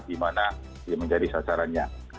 di mana dia menjadi sasarannya